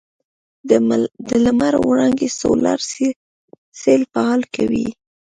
د لمر وړانګې سولر سیل فعاله کوي.